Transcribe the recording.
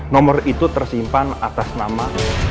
nomor itu tersimpan atas nama